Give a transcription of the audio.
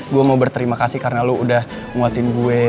gue mau berterima kasih karena lo udah nguatin gue